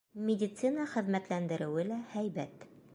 Медицина хеҙмәтләндереүе лә һәйбәт.